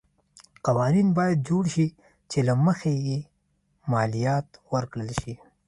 قوانین باید جوړ شي چې له مخې یې مالیات ورکړل شي.